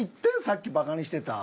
さっきバカにしてた。